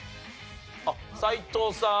あっ斎藤さん。